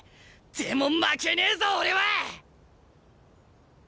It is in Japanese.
でも負けねえぞ俺は！